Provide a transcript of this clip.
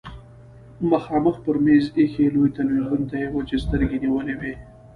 مخامخ پر مېز ايښي لوی تلويزيون ته يې وچې سترګې نيولې وې.